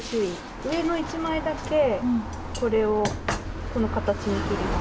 上の１枚だけこの形に切ります。